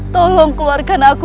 tolong keluarkan aku